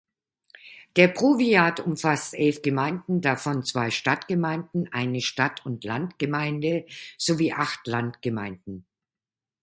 Der Powiat umfasst elf Gemeinden, davon zwei Stadtgemeinden, eine Stadt-und-Land-Gemeinde sowie acht Landgemeinden.